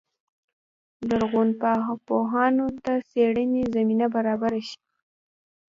لرغونپوهانو ته څېړنې زمینه برابره شي.